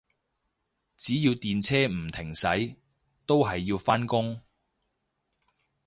只要電車唔停駛，都係要返工